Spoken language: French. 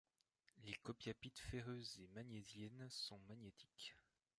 Les copiapites ferreuses et magnésiennes sont magnétiques.